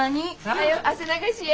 はよ汗流しや。